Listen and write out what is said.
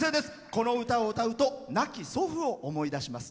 この歌を歌うと亡き祖父を思い出します。